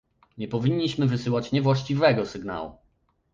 Nie powinniśmy wysyłać niewłaściwego sygnału